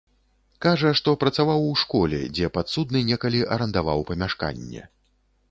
Кажа, што працаваў у школе, дзе падсудны некалі арандаваў памяшканне.